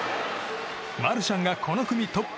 マルシャンがこの組トップ。